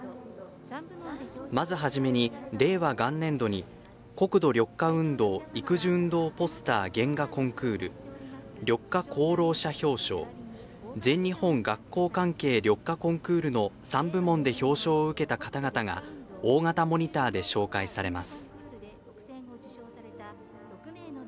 まず初めに、令和元年度に「国土緑化運動・育樹運動ポスター原画コンクール」「緑化功労者表彰」「全日本学校関係緑化コンクール」の３部門で表彰を受けた方々が大型モニターで紹介されます。